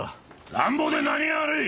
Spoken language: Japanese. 乱暴で何が悪い！